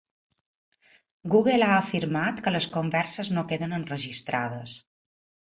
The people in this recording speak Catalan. Google ha afirmat que les converses no queden enregistrades